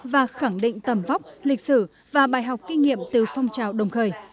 và khẳng định tầm vóc lịch sử và bài học kinh nghiệm từ phong trào đồng khởi